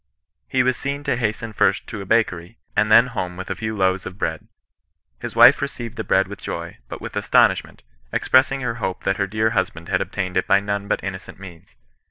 He was seen to hasten first to a bakery, and then home with a few loaves of bread. His wife received the bread with joy, but with astonishment, expressing her hope that her dear husband had obtained it by none but innocent means.